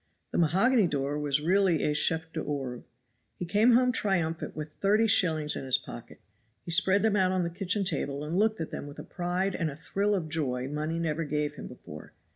The mahogany door was really a chef d'oeuvre. He came home triumphant with thirty shillings in his pocket, he spread them out on the kitchen table and looked at them with a pride and a thrill of joy money never gave him before.